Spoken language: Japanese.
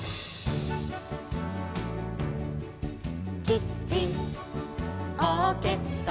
「キッチンオーケストラ」